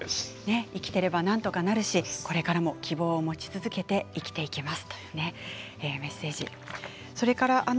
生きていればなんとかなるしこれからも希望を持ち続けて生きていきます。